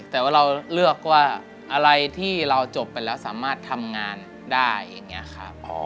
แต่ว่าเราเลือกว่าอะไรที่เราจบไปแล้วสามารถทำงานได้อย่างนี้ครับ